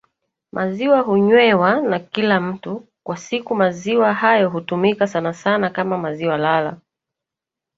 maziwa hunywewa na kila mtu kwa sikuMaziwa hayo hutumika sanasana kama maziwa lala